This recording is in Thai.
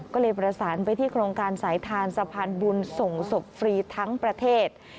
ก็เลยประสานไปที่โครงการสายทานสะพานบุญส่งศพฟรีทั้งประเทศ